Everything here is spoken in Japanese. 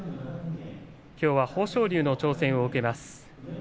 きょうは豊昇龍の挑戦を受けます。